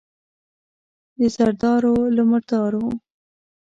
د زردارو، له مردارو.